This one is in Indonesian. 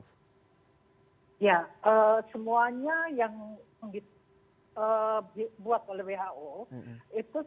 bukti ilmiah yang bisa didapatkan atau justru dari ciri ciri tertentu prof